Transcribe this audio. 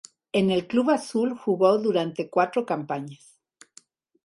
En el club azul jugó durante cuatro campañas.